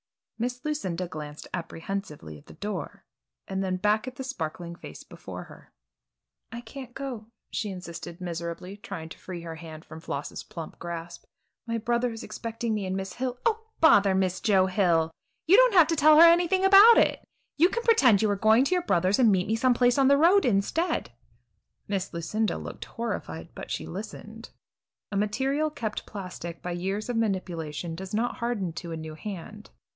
Miss Lucinda glanced apprehensively at the door and then back at the sparkling face before her. "I can't go," she insisted miserably, trying to free her hand from Floss's plump grasp. "My brother is expecting me and Miss Hill " "Oh, bother Miss Joe Hill! You don't have to tell her anything about it! You can pretend you are going to your brother's and meet me some place on the road instead." Miss Lucinda looked horrified, but she listened. A material kept plastic by years of manipulation does not harden to a new hand.